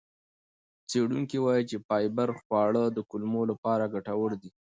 څېړونکي وایي چې فایبر خواړه د کولمو لپاره ګټور دي.